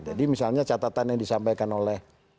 jadi misalnya catatan yang disampaikan oleh